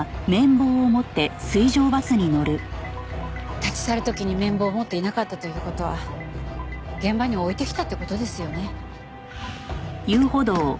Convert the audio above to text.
立ち去る時に麺棒を持っていなかったという事は現場に置いてきたって事ですよね。